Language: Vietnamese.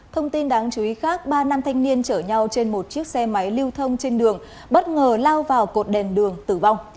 thông tin đáng chú ý khác ba nam thanh niên chở nhau trên một chiếc xe máy lưu thông trên đường bất ngờ lao vào cột đèn đường tử vong